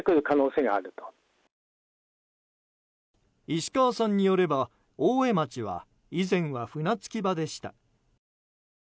石川さんによれば大江町は以前は船着き場でした。